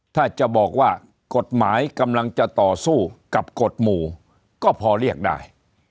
ถ้าจะบอกว่ากฎหมายกำลังจะต่อสู้กับกฎหมู่ก็พอเรียกได้